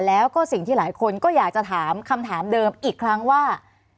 แล้วก็สิ่งที่หลายคนก็อยากจะถามคำถามเดิมอีกครั้งว่า